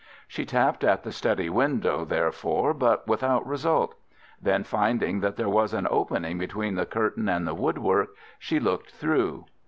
She tapped at the study window, therefore, but without result. Then, finding that there was an opening between the curtain and the woodwork, she looked through.